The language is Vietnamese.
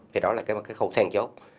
thì đó là cái khâu then chốt